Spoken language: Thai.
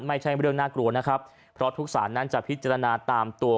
ไม่ใช่เรื่องน่ากลัวนะครับเพราะทุกศาลนั้นจะพิจารณาตามตัว